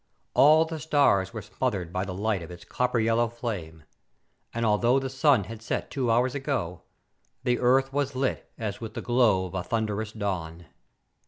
All the stars were smothered by the light of its copper yellow flame, and, although the sun had set two hours ago, the Earth was lit as with the glow of a thunderous dawn.